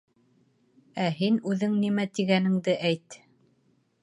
— Ә һин үҙең нимә тигәнеңде әйт!